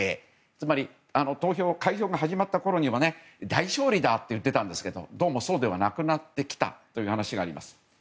つまり開票が始まったころには大勝利だと言ってたんですがどうもそうではなくなってきたという話があります。